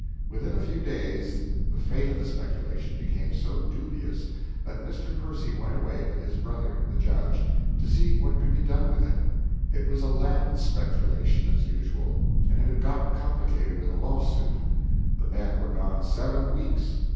Within a few days the fate of the speculation became so dubious that Mr. Percy went away with his brother the Judge, to see what could be done with it. It was a land speculation as usual, and it had gotten complicated with a lawsuit. The men were gone seven weeks.